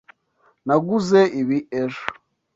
Naguze ibi ejo.